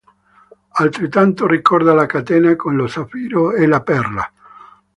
Altrettanto ricorda la catena con lo zaffiro e la perla.